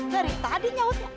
dari tadinya aw tuh